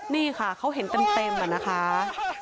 นี่ค่ะเขาเห็นเต็มอะนะคะ